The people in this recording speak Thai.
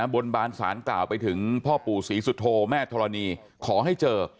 บนบานสารกล่าวไปถึงพ่อปู่ศรีสุโธแม่ธรณีขอให้เจอ